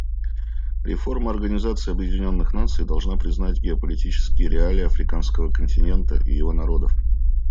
Реформа Организации Объединенных Наций должна признать геополитические реалии африканского континента и его народов.